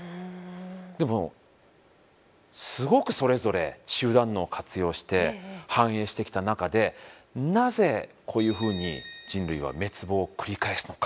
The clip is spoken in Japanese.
でもすごくそれぞれ集団脳を活用して繁栄してきた中でなぜこういうふうに人類は滅亡を繰り返すのか。